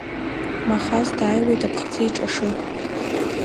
Махаз дааиуеит аԥхӡы иҿашы.